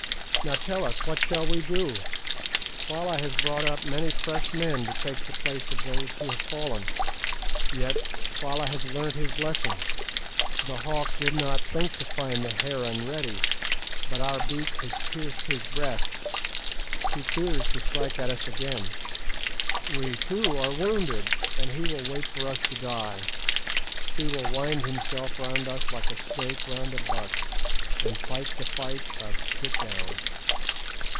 Now tell us, what shall we do? Twala has brought up many fresh men to take the place of those who have fallen. Yet Twala has learnt his lesson; the hawk did not think to find the heron ready; but our beak has pierced his breast; he fears to strike at us again. We too are wounded, and he will wait for us to die; he will wind himself round us like a snake round a buck, and fight the fight of 'sit down.